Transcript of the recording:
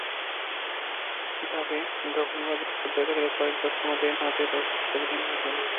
এভাবে দখলবাজি চলতে থাকলে কয়েক বছরের মধ্যে নদের অস্তিত্ব বিলীন হয়ে যাবে।